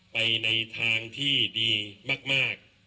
ไปในทางที่ดีมาก